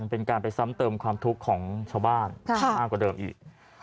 เป็นการไปซ้ำเติมความทุกข์ของชาวบ้านมากกว่าเดิมอีก